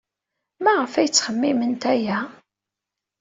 Maɣef ay ttxemmiment aya?